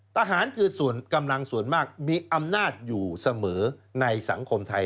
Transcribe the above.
ทหารคือส่วนกำลังส่วนมากมีอำนาจอยู่เสมอในสังคมไทย